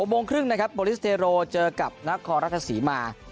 ๖โมงครึ่งนะครับโปรลิสเตโรเจอกับนักคอรัฐศรีมา